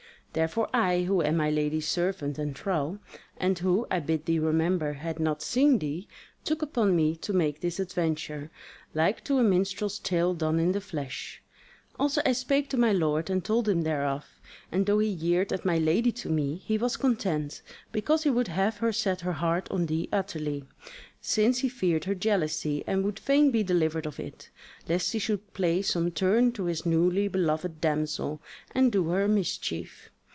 Therefore I, who am my lady's servant and thrall, and who, I bid thee remember, had not seen thee, took upon me to make this adventure, like to a minstrel's tale done in the flesh. Also I spake to my lord and told him thereof; and though he jeered at my lady to me, he was content, because he would have her set her heart on thee utterly; since he feared her jealousy, and would fain be delivered of it, lest she should play some turn to his newly beloved damsel and do her a mischief.